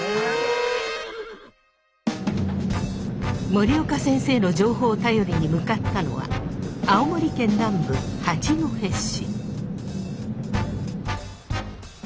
森岡先生の情報を頼りに向かったのは青森県南部八戸市。